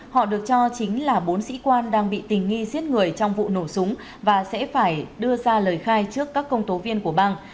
họ được cho chính là bốn sĩ quan đang bị tình nghi giết người trong vụ nổ súng và sẽ phải đưa ra lời khai trước các công tố viên của bang